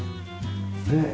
ねえ。